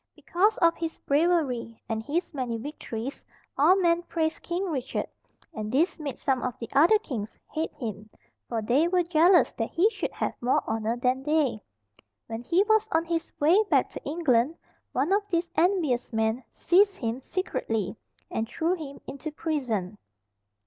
Because of his bravery, and his many victories, all men praised King Richard, and this made some of the other kings hate him, for they were jealous that he should have more honour than they. When he was on his way back to England, one of these envious men seized him secretly, and threw him into prison.